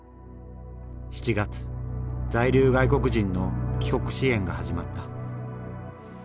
７月在留外国人の帰国支援が始まった。